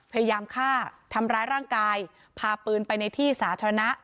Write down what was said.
พยายามฆ่าทำร้ายร่างกายพาปืนไปในที่สาธารณะ